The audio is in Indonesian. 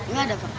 nggak ada pak